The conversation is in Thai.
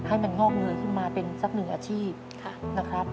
ให้มันงอกเงยขึ้นมาเป็นสักหนึ่งอาชีพนะครับ